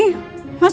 masa belum sampe juga